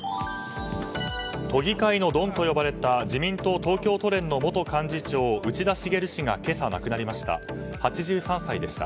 都議会のドンと呼ばれた自民党東京都連の元幹事長、内田茂氏が今朝、亡くなりました。